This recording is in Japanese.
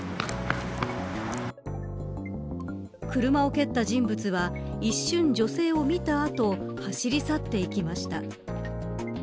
車を蹴った人物は一瞬、女性を見たあと走り去っていきました。